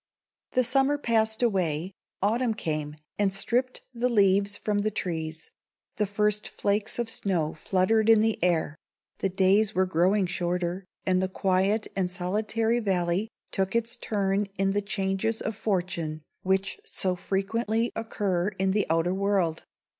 The summer passed away; autumn came, and stripped the leaves from the trees; the first flakes of snow fluttered in the air; the days were growing shorter, and the quiet and solitary valley took its turn in the changes of fortune which so frequently occur in the outer world.